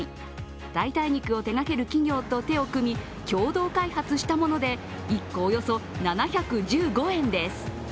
代替肉を手がける企業と手を組み、共同開発したもので１個およそ７１５円です。